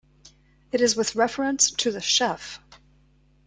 It is with reference to the chef.